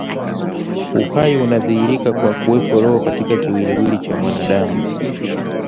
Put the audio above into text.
Uhai unadhihirika kwa kuwepo roho katika kiwiliwili cha mwanadamu